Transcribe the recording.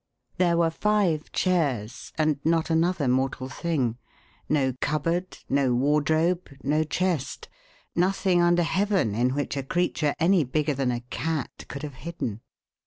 There were five chairs, and not another mortal thing. No cupboard, no wardrobe, no chest nothing under heaven in which a creature any bigger than a cat could have hidden.